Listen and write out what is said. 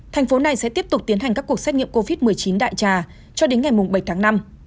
thành phố này sẽ tiếp tục tiến hành các cuộc xét nghiệm covid một mươi chín đại trà cho đến ngày bảy tháng năm